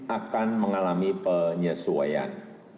akan mengalami penyesuaian